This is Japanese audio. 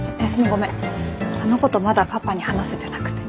ごめんあのことまだパパに話せてなくて。